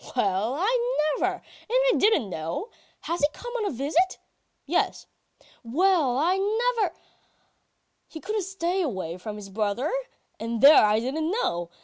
"'Well, I never! And I didn't know! Has he come on a visit? "Yes." "Well, I never. ... He couldn't stay away from his brother. ... And there I didn't know!